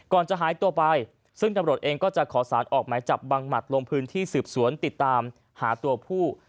จะหายตัวไปซึ่งตำรวจเองก็จะขอสารออกหมายจับบังหมัดลงพื้นที่สืบสวนติดตามหาตัวผู้